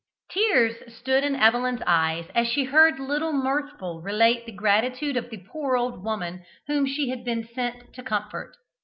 Tears stood in Evelyn's eyes as she heard little Mirthful relate the gratitude of the poor old woman whom she had been sent to comfort.